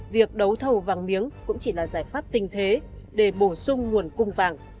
việc đấu thầu vàng miếng cũng chỉ là giải pháp tình thế để bổ sung nguồn cung vàng